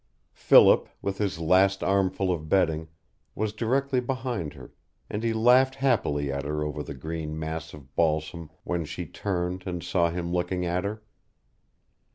Philip, with his last armful of bedding, was directly behind her, and he laughed happily at her over the green mass of balsam when she turned and saw him looking at her.